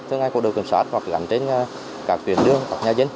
từ ngay cộng đồng kiểm soát hoặc gắn trên các tuyến đường hoặc nhà dân